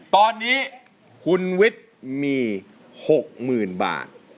ตอนนี้คุณวิทย์มี๖๐๐๐บาท